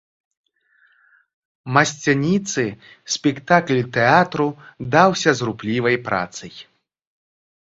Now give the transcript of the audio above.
Масцяніцы, спектакль тэатру даўся з руплівай працай.